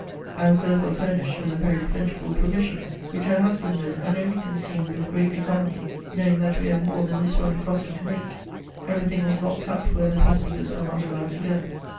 I was therefore furnished with a very plentiful provision, which I husbanded and only consumed with great economy, knowing that we had more than this one crossing to make: everything was locked up where the passengers were not allowed to go.